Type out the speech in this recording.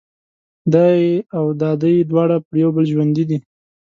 دای او دادۍ دواړه پر یو بل ژوندي دي.